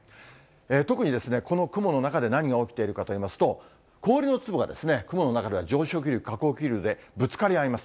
特に、この雲の中で何が起きているかといいますと、氷の粒が雲の中では上昇気流、下降気流でぶつかり合います。